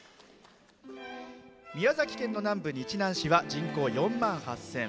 宮崎県の南部日南市は人口４万８０００。